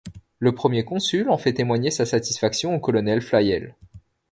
Le premier Consul en fait témoigner sa satisfaction au colonel Flayelle.